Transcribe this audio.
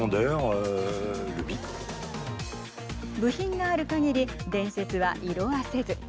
部品があるかぎり伝説は色あせず。